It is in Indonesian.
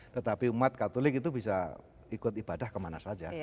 tetapi umat katolik itu bisa ikut ibadah kemana saja